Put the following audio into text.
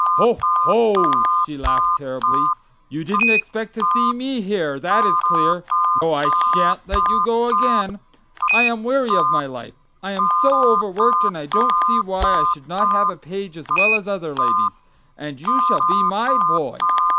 "Ho, ho!" she laughed terribly. "You didn't expect to see me here, that is clear! No, I shan't let you go again. I am weary of my life. I am so overworked, and I don't see why I should not have a page as well as other ladies. And you shall be my boy.